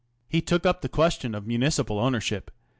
He took up the question of municipal ownership.